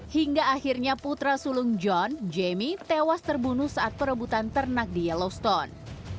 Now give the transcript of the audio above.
hingga akhirnya putra sulung john jamie tewas terbunuh saat perebutan ternak di yellowstone